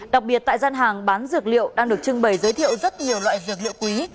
đặc biệt tại gian hàng bán dược liệu đang được trưng bày giới thiệu rất nhiều loại dược liệu quý